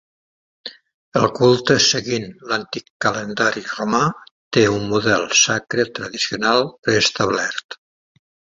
El culte, seguint l'antic calendari romà, té un model sacre tradicional preestablert.